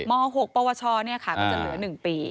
ม๖ปวชก็จะเหลือ๑ปี